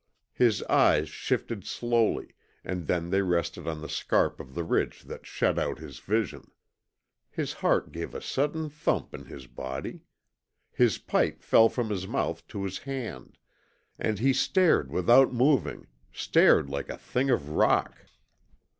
His eyes shifted slowly, and then they rested on the scarp of the ridge that shut out his vision. His heart gave a sudden thump in his body. His pipe fell from his mouth to his hand; and he stared without moving, stared like a thing of rock.